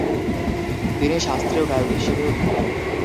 তিনি শাস্ত্রীয় গায়ক হিসেবেও খ্যাত।